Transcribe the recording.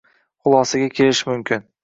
xulosaga kelish mumkin.